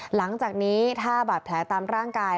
หลังจากนี้ถ้าบาดแผลตามร่างกาย